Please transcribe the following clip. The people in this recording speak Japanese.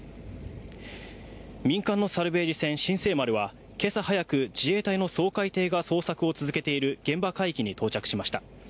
民間のサルベージ船「新世丸」は今朝早く自衛隊の掃海艇が捜索を続けている現場海域に到着しました。